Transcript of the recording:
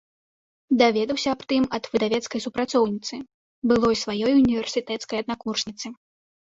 Даведаўся аб тым ад выдавецкай супрацоўніцы, былой сваёй універсітэцкай аднакурсніцы.